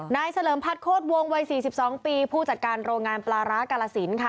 นายเสริมพัดโค้ดวงวัย๔๒ปีผู้จัดการโรงงานปลาร้ากาลาศิลป์